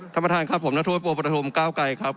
ท่านประธานครับผมนัทธวประธมก้าวไกรครับ